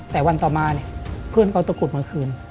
แต่วันต่อมาเพื่อนเขาตะกรุดเมื่อคืน